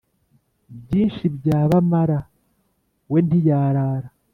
Byinshi bya Bamara we ntiyarara